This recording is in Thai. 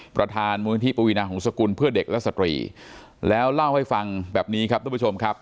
ประธานมูลนิธิปวีนาหงษกุลเพื่อเด็กและสตรีแล้วเล่าให้ฟังแบบนี้ครับทุกผู้ชมครับ